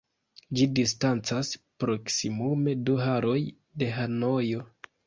Ĝi distancas proksimume du horoj de Hanojo.